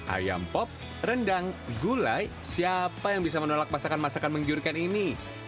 ayam pop rendang gulai siapa yang bisa menolak masakan masakan menggiurkan ini